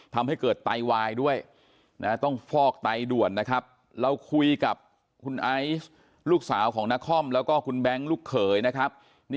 ทำให้เกิดไตวายด้วยต้องฟอกไตด่วนนะครับเราคุยกับคุณไอซ์ลูกสาวของนครแล้วก็คุณแบงค์ลูกเขยนะครับ